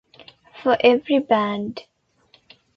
For every band.